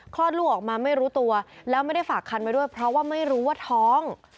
คลอดลูกออกมาไม่รู้ตัวแล้วไม่ได้ฝากคันไว้ด้วยเพราะว่าไม่รู้ว่าท้อง